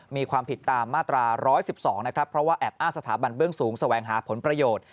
มีความผิดตามมาตรา๑๑๒นะครับเพราะว่าแอบอ้างสถาบันเบื้องสูงแสวงหาผลประโยชน์